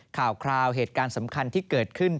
ข่าวคราวเหตุการณ์สำคัญที่เกิดขึ้น